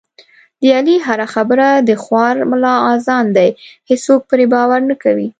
د علي هره خبره د خوار ملا اذان دی، هېڅوک پرې باور نه کوي.